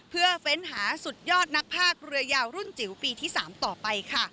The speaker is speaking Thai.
เพื่อเฟ้นหาสุดยอดนักภาคเรือยาวรุ่นจิ๋วปีที่๓ต่อไปค่ะ